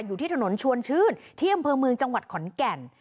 อยู่ที่ถนนชวนชื่นที่อำเภอเมืองจังหวัดขอนแก่น